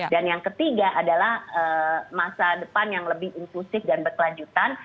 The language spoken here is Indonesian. dan yang ketiga adalah masa depan yang lebih inklusif dan berkelanjutan